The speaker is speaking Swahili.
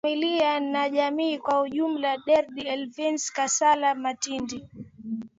kwa familia na jamii kwa ujumla Padre Flavian Kassala Matindi